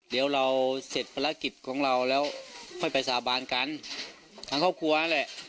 เดี๋ยวเราเสร็จภารกิจของเราแล้วค่อยไปสาบานกันทั้งครอบครัวแหละ